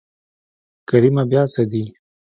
کريمه بيا څه دي.